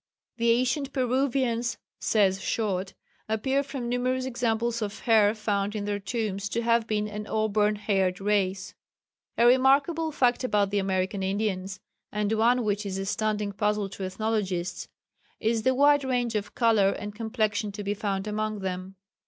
"The ancient Peruvians," says Short, "appear from numerous examples of hair found in their tombs to have been an auburn haired race." A remarkable fact about the American Indians, and one which is a standing puzzle to ethnologists, is the wide range of colour and complexion to be found among them.